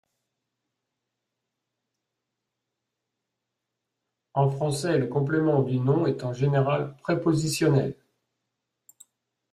En français, le complément du nom est en général prépositionnel.